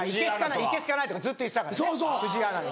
いけ好かないとかずっと言ってたからね藤井アナに。